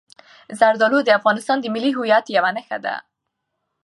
زردالو د افغانستان د ملي هویت یوه نښه ده.